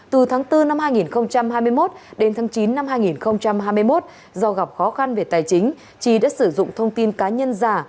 từ tháng bốn năm hai nghìn hai mươi một đến tháng chín năm hai nghìn hai mươi một do gặp khó khăn về tài chính trí đã sử dụng thông tin cá nhân giả